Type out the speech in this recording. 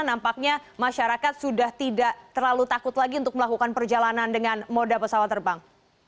nampaknya masyarakat sudah tidak terlalu takut lagi untuk melakukan perjalanan dengan moda pesawat terbang